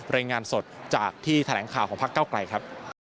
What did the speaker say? รายงานสดจากที่แถลงข่าวของพักเก้าไกลครับ